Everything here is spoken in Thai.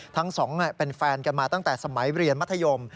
ทั้งสองเป็นแฟนกันมาตั้งแต่สมัยเรียนมัธยม